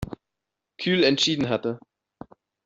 Kühl entschieden hatte.